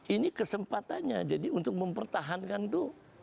ini kesempatannya jadi untuk mempertahankan itu